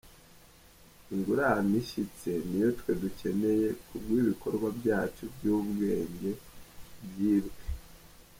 Ingurane ishyitse niyo twe dukeneye ku bw’ibikorwa byacu by’ubwenge byibwe.